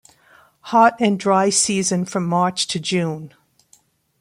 Hot and dry season from March to June.